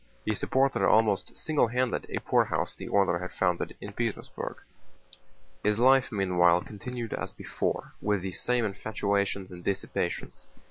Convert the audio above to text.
He supported almost singlehanded a poorhouse the order had founded in Petersburg. His life meanwhile continued as before, with the same infatuations and dissipations.